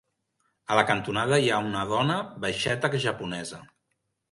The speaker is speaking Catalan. A la cantonada hi ha una dona baixeta japonesa.